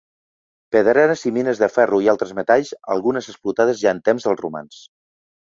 Pedreres i mines de ferro i altres metalls, algunes explotades ja en temps dels romans.